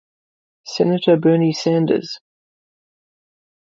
Senator Bernie Sanders.